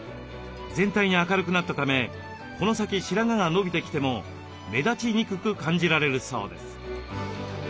全体に明るくなったためこの先白髪が伸びてきても目立ちにくく感じられるそうです。